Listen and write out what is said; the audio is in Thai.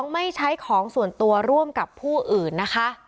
ไม่ใช้ของส่วนตัวร่วมกับผู้อื่นนะคะ